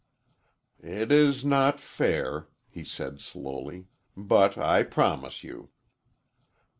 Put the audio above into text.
"It is not fair," he said slowly, "but I promise you."